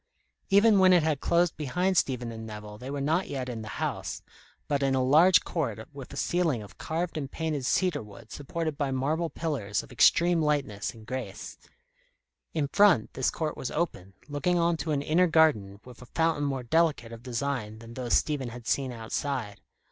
Even when it had closed behind Stephen and Nevill, they were not yet in the house, but in a large court with a ceiling of carved and painted cedar wood supported by marble pillars of extreme lightness and grace. In front, this court was open, looking on to an inner garden with a fountain more delicate of design than those Stephen had seen outside.